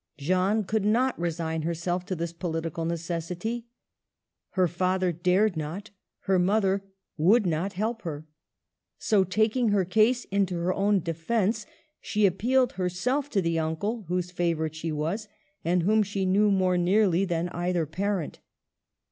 Jeanne could not resign herself to this pohtical necessity. Her father dared not, her mother would not help her. So, taking her case into her own defence, she appealed herself to the uncle whose favorite she was, and whom she knew more nearly than either parent.